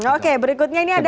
oke berikutnya ini ada